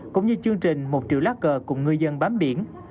cũng như chương trình một triệu lá cờ cùng ngư dân bám biển